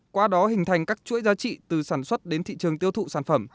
qua đó hình thành các chuỗi giá trị từ sản xuất đến thị trường tiêu thụ sản phẩm